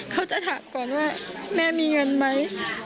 เขาจะถามก่อนว่าแม่มีเงินไหม